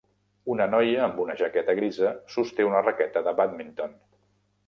Una noia amb una jaqueta grisa sosté una raqueta de bàdminton.